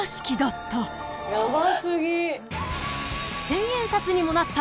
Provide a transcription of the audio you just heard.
［千円札にもなった］